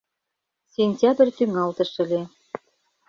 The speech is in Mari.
Сентябрь тӱҥалтыш ыле.